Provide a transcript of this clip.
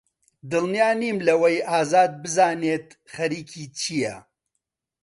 دڵنیا نیم لەوەی ئازاد بزانێت خەریکی چییە.